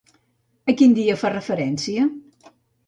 A quin dia fa referència?